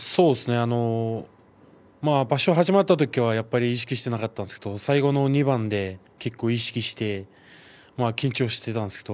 場所、始まったときは意識していませんでした最後２番で意識して緊張していました。